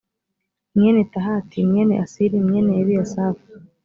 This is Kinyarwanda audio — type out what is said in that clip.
mwene tahati mwene asiri mwene ebiyasafu